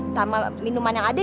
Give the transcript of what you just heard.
sama minuman yang ada